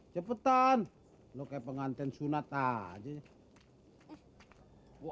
cepetan lo ke pengantin sunat aja